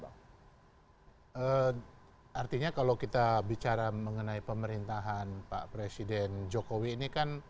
artinya kalau kita bicara mengenai pemerintahan pak presiden jokowi ini kan